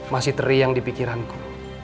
masih teriang di pikiranku